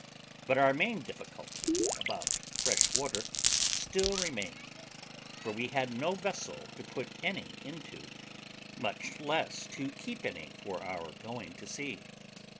But our main difficulty about fresh water still remained; for we had no vessel to put any into, much less to keep any for our going to sea.